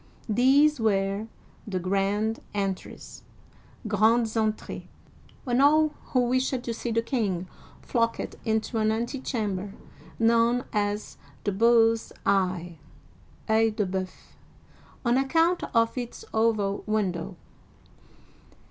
These were " the grand entries *' (grandes entr^es)y when all who wished to see the king flocked into an antechamber, known as the Bull's Eye (CEil de Bceuf) on account of its oval window.